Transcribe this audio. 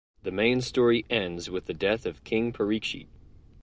The main story ends with the death of King Parikshit.